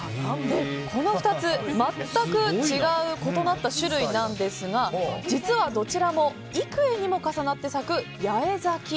この２つ、全く違う異なった種類なんですが実は、どちらも幾重にも重なって咲く八重咲き。